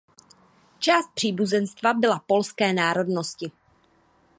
Část příbuzenstva byla polské národnosti.